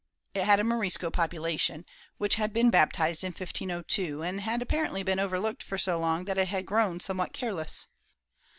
It had a Morisco population, which had been baptized in 1502, and had apparently been overlooked so long that it had grown somewhat careless.